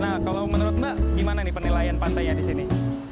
nah kalau menurut mbak gimana nih penilaian pantainya di sini